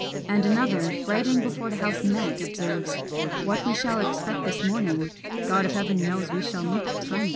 and another, writing before the house met, observes, "What we shall expect this morning, God of heaven knows; we shall meet timely."